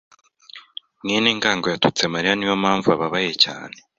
mwene ngango yatutse Mariya. Niyo mpamvu ababaye cyane.